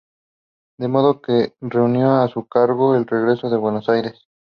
De modo que renunció a su cargo y regresó a Buenos Aires.